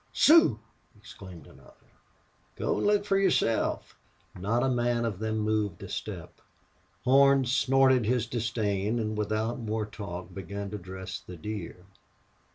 "Sioux!" exclaimed another. "Go an' look fer yourself." Not a man of them moved a step. Horn snorted his disdain and without more talk began to dress the deer.